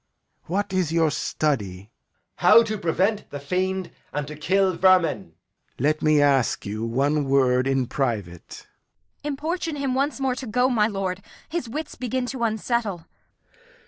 What is your study? Edg. How to prevent the fiend and to kill vermin. Lear. Let me ask you one word in private. Kent. Importune him once more to go, my lord. His wits begin t' unsettle.